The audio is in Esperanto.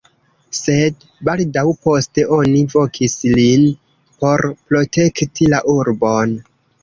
Sed baldaŭ poste oni vokis lin por protekti la urbon.